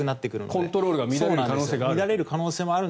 コントロールが乱れる可能性がある。